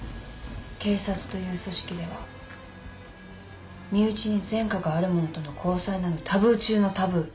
警察という組織では身内に前科がある者との交際などタブー中のタブー。